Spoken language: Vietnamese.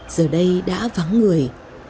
giờ đây đã vắng người